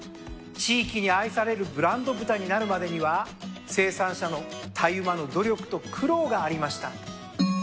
地域に愛されるブランド豚になるまでには生産者のたゆまぬ努力と苦労がありました。